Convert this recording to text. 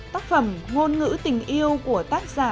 tác phẩm ngôn ngữ tình yêu của tác giả